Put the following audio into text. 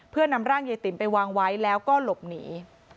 เพื่อนำร่างยายติ๋มไปวางไว้แล้วก็หลบหนี